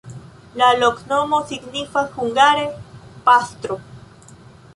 La loknomo signifas hungare: pastro.